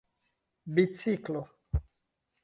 biciklo